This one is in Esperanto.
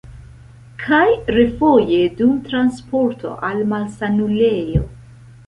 Kaj refoje dum transporto al malsanulejo.